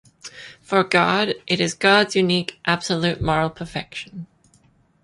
For God, it is God's unique absolute moral perfection.